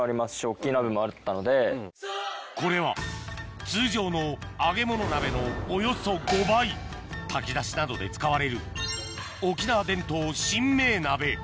これは通常の揚げ物鍋のおよそ５倍炊き出しなどで使われる沖縄伝統シンメー鍋